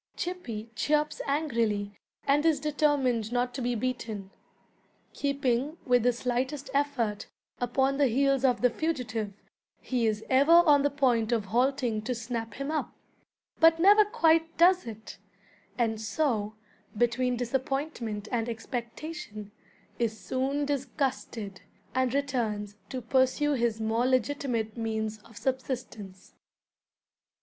Chippy chirps angrily, and is determined not to be beaten. Keeping, with the slightest effort, upon the heels of the fugitive, he is ever on the point of halting to snap him up, but never quite does it; and so, between disappointment and expectation, is soon disgusted, and returns to pursue his more legitimate means of subsistence.